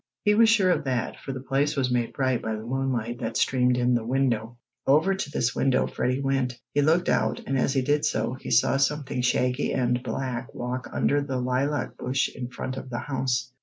He was sure of that, for the place was made bright by the moonlight that streamed in the window. Over to this window Freddie went. He looked out, and as he did so, he saw something shaggy and black walk under the lilac bush in front of the house.